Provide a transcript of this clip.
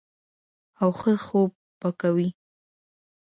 او ښۀ خوب به کوي -